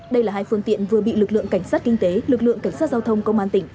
đây là hai phương tiện vừa bị lực lượng cảnh sát kinh tế lực lượng cảnh sát giao thông công an tỉnh